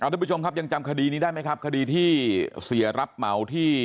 บ๊วยรู้สึกยังจำคดีนี้ได้ไหมครับคดีที่เสียรับเหมาที่